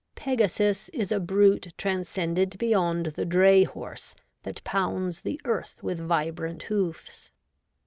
Pegasus is a brute transcended beyond the dray horse that pounds the earth with vibrant hoofs.